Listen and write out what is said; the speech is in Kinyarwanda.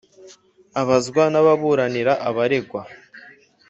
abazwa n'ababuranira abaregwa